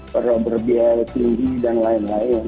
perbualan biaya tinggi dan lain lain